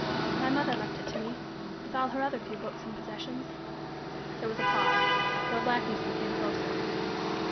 "My mother left it to me, with all her other few books and possessions." There was a pause. Lord Lackington came closer.